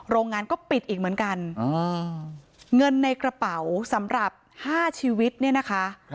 โรงงานก็ปิดอีกเหมือนกันเงินในกระเป๋าสำหรับ๕ชีวิตเนี่ยนะคะ